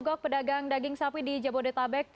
gogok pedagang daging sapi di jabodetabek